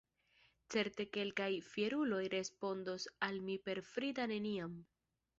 Certe kelkaj fieruloj respondos al mi per frida “neniam”.